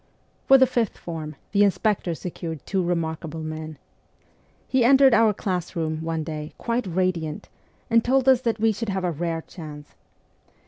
For the fifth form the inspector secured two remark able men. He entered our class room, one day, quite radiant, and told us that we should have a rare chance.